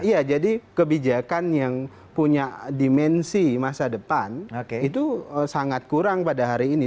iya jadi kebijakan yang punya dimensi masa depan itu sangat kurang pada hari ini